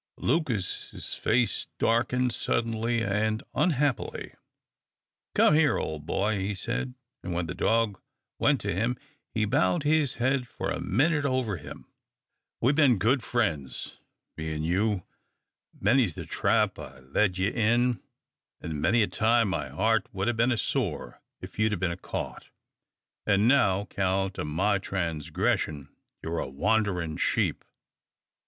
Lucas's face darkened suddenly, and unhappily. "Come here, ole boy," he said, and when the dog went to him, he bowed his head for a minute over him. "We've bin good friends me an' you. Many's the trap I've led ye in, an' many a time my heart would 'a' bin sore if ye'd a bin caught. An' now, 'count o' my transgression, ye're a wanderin' sheep.